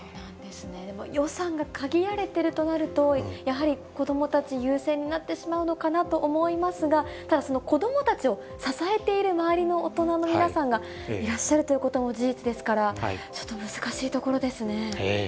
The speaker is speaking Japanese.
でも、予算が限られてるとなると、やはり子どもたち優先になってしまうのかなと思いますが、ただ、その子どもたちを支えている周りの大人の皆さんがいらっしゃるということも事実ですから、ちょっと難しいところですね。